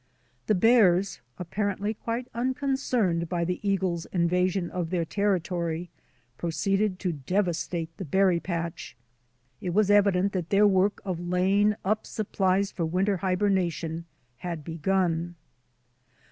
The bears, apparently quite unconcerned by the eagle's in vasion of their territory, proceeded to devastate the berry patch. It was evident that their work of laying up supplies for winter hibernation had begun.